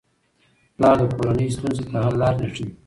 پلار د کورنۍ ستونزو ته حل لارې لټوي.